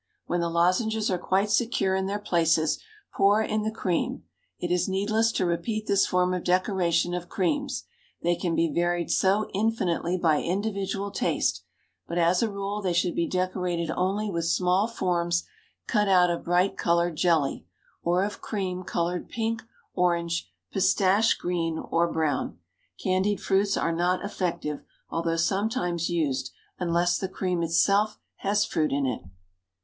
When the lozenges are quite secure in their places, pour in the cream. It is needless to repeat this form of decoration of creams, they can be varied so infinitely by individual taste, but as a rule they should be decorated only with small forms cut out of bright colored jelly, or of cream colored pink, orange, pistache green, or brown. Candied fruits are not effective, although sometimes used, unless the cream itself has fruit in it.